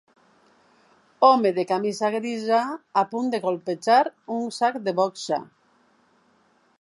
Home de camisa grisa a punt de colpejar un sac de boxa.